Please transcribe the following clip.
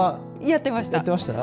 やってました。